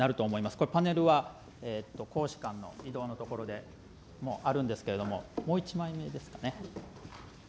これ、パネルは公私間の移動のところでもあるんですけれども、もう１枚目ですかね。